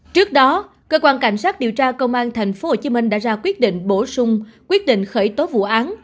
trước đó cơ quan cảnh sát điều tra công an tp hcm đã ra quyết định bổ sung quyết định khởi tố vụ án